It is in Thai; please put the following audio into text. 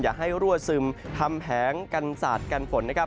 อย่าให้รั่วซึมทำแผงกันสาดกันฝนนะครับ